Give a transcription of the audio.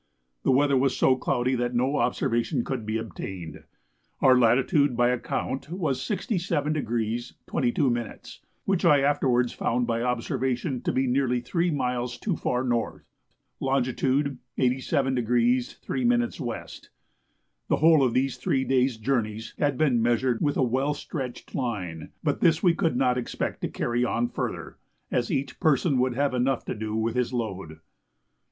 The weather was so cloudy that no observation could be obtained. Our latitude by account was 67° 22' (which I afterwards found by observation to be nearly three miles too far north), longitude 87° 3' W. The whole of these three days' journeys had been measured with a well stretched line, but this we could not expect to carry on further, as each person would have enough to do with his load.